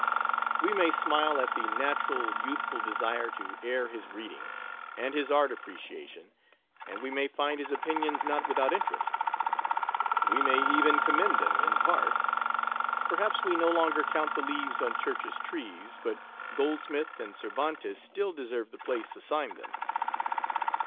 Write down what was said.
We may smile at the natural youthful desire to air his reading, and his art appreciation, and we may find his opinions not without interest. We may even commend them in part. Perhaps we no longer count the leaves on Church's trees, but Goldsmith and Cervantes still deserve the place assigned them.